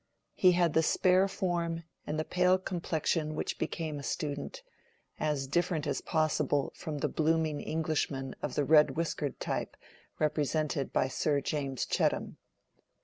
He had the spare form and the pale complexion which became a student; as different as possible from the blooming Englishman of the red whiskered type represented by Sir James Chettam.